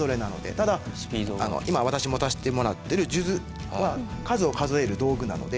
ただ今私持たしてもらってる数珠は数を数える道具なので。